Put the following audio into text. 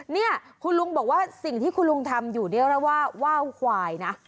นี่คุณลุงบอกว่าสิ่งที่คุณลุงทำอยู่เนี่ยนะว่าว่าวควายนะ